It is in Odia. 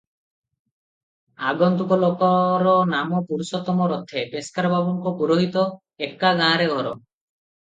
ଆଗନ୍ତୁକ ଲୋକର ନାମ ପୁରୁଷୋତ୍ତମ ରଥେ, ପେସ୍କାର ବାବୁଙ୍କ ପୁରୋହିତ, ଏକା ଗାଁରେ ଘର ।